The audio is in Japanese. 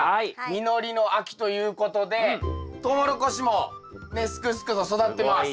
実りの秋ということでトウモロコシもすくすくと育ってます。